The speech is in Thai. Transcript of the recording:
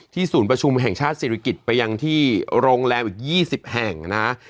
ศูนย์ประชุมแห่งชาติศิริกิจไปยังที่โรงแรมอีก๒๐แห่งนะฮะ